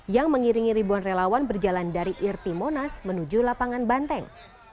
yang mengiringi ribuan relawan berjalan dari irti monas menuju lapangan banteng